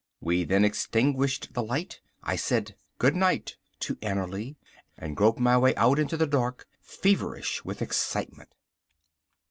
We then extinguished the light. I said "Good night" to Annerly, and groped my way out into the dark, feverish with excitement.